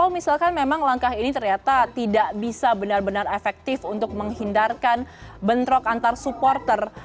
misalkan memang langkah ini ternyata tidak bisa benar benar efektif untuk menghindarkan bentrok antar supporter